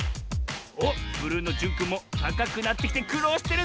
おっブルーのじゅんくんもたかくなってきてくろうしてるぞ！